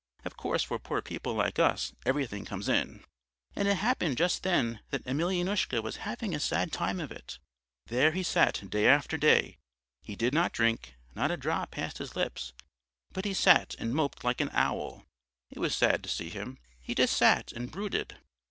Of course for poor people like us everything comes in. And it happened just then that Emelyanoushka was having a sad time of it. There he sat day after day: he did not drink, not a drop passed his lips, but he sat and moped like an owl. It was sad to see him he just sat and brooded.